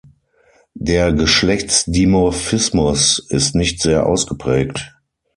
Der Geschlechtsdimorphismus ist nicht sehr ausgeprägt.